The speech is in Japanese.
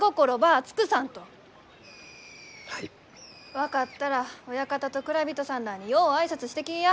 分かったら親方と蔵人さんらあによう挨拶してきいや。